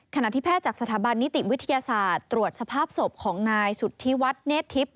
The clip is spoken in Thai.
ขณะที่แพทย์จากสถาบันนิติวิทยาศาสตร์ตรวจสภาพศพของนายสุธิวัฒน์เนธทิพย